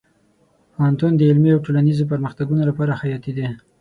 پوهنتون د علمي او ټولنیزو پرمختګونو لپاره حیاتي دی.